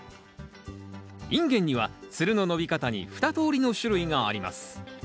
インゲンにはつるの伸び方に２通りの種類があります。